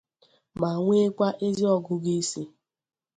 ma nwekwa ezi ọgụgụisi